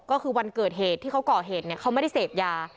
ก็คือวันเกิดเหตุที่เขาก่อเหตุเนี่ยเขาไม่ได้เสพยา